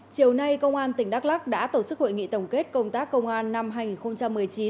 chiều nay công an tỉnh đắk lắc đã tổ chức hội nghị tổng kết công tác công an năm hai nghìn một mươi chín